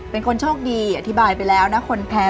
เป็นคนโชคดีอธิบายไปแล้วนะคนแพ้